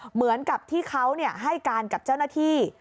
เหมือนกับที่เขาให้การกับเจ้าหน้าที่